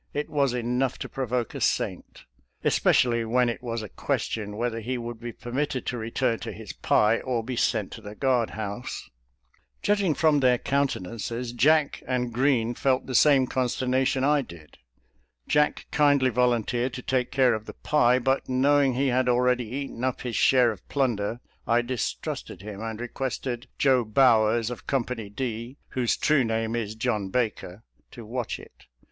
It was enough to provoke a saint — especially when it was a question whether he would be permitted to return to his pie, or be sent to the guard house. Judging from their countenances. Jack and THE POWER OF THE FIDDLE AND THE BOW 193 Green felt the same consternation I did. Jack kindly volunteered to take care of the pie, but knowing he had already eaten up his share of plunder, I distrusted him, and requested " Joe Bowers " of Company D, whose true name is John Baker, to watch it.